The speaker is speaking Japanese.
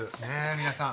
皆さん。